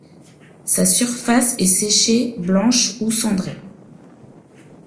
Sa surface est séchée blanche ou cendrée.